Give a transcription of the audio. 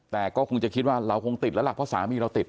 แต่ก็คงจะคิดว่าเราคงติดแล้วล่ะเพราะสามีเราติด